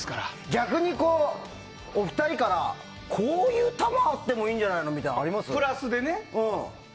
逆に、お二人からこういう球があってもいいんじゃないのみたいなのあります？